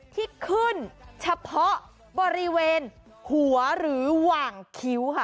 ที่ขึ้นเฉพาะบริเวณหัวหรือหว่างคิ้วค่ะ